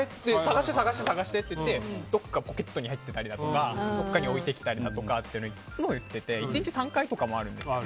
探して探して！って言ってどこか、ポケットに入っていたりとかどこかに置いてきたりだとか１日３回とかもあるんです。